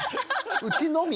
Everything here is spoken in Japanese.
うちのみ？